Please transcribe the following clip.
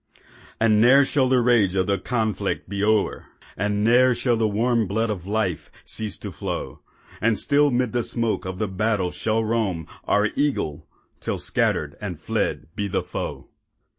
And ne'er shall the rage of the conflict be o'er, And ne'er shall the warm blood of life cease to flow, And still 'mid the smoke of the battle shall roam Our Eagle—till scattered and fled be the foe.